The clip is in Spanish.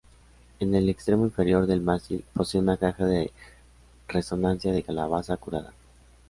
En el extremo inferior del mástil posee una caja de resonancia de calabaza curada.